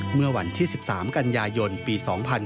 เมื่อวันที่๑๓กันยายนปี๒๕๕๙